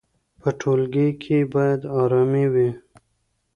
په ټولګي کې باید ارامي وي.